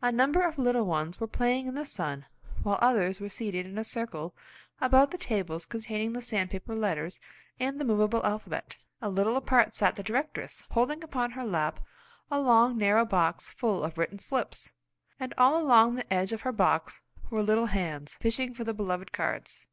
A number of little ones were playing in the sun, while others were seated in a circle about the tables containing the sandpaper letters and the movable alphabet. A little apart sat the directress, holding upon her lap a long narrow box full of written slips, and all along the edge of her box were little hands, fishing for the beloved cards.